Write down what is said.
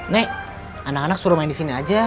nek anak anak suruh main di sini aja